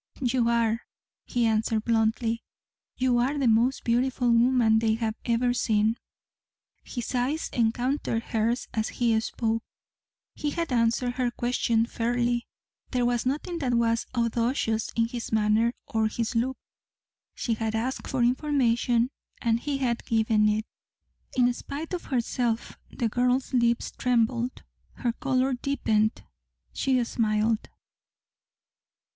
"You are," he answered bluntly. "You are the most beautiful woman they have ever seen." His eyes encountered hers as he spoke. He had answered her question fairly. There was nothing that was audacious in his manner or his look. She had asked for information, and he had given it. In spite of herself the girl's lips trembled. Her colour deepened. She smiled.